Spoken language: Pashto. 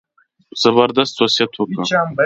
زبردست وصیت وکړ.